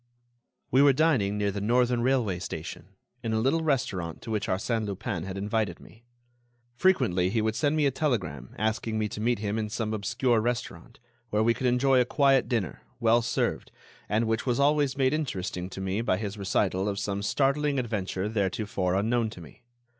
We were dining near the Northern Railway station, in a little restaurant to which Arsène Lupin had invited me. Frequently he would send me a telegram asking me to meet him in some obscure restaurant, where we could enjoy a quiet dinner, well served, and which was always made interesting to me by his recital of some startling adventure theretofore unknown to me.